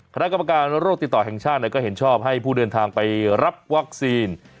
คณะกรรมการโรคติดต่อแห่งชาติก็เห็นชอบให้ผู้เดินทางไปรับวัคซีน